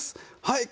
はい。